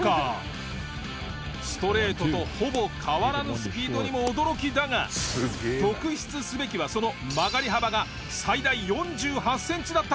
ストレートとほぼ変わらぬスピードにも驚きだが特筆すべきはその曲がり幅が最大４８センチだったという事実。